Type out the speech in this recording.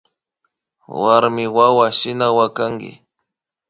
Warmiwawa shina wakanki